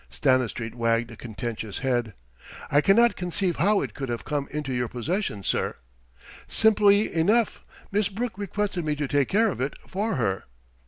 Stanistreet wagged a contentious head. "I cannot conceive how it could have come into your possession, sir." "Simply enough. Miss Brooke requested me to take care of it for her."